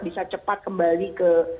bisa cepat kembali ke